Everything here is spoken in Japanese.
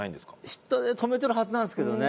下で止めてるはずなんですけどね。